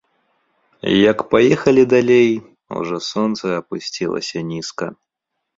Як паехалі далей, ужо сонца апусцілася нізка.